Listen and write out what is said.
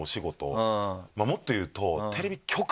もっと言うと。